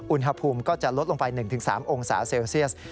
อุณหภูมิก็จะลดลงไป๑๓องศาเซลเซียส